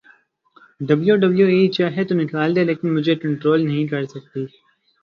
W W E چاہے تو نکال دے لیکن مجھے کنٹرول نہیں کر سکتی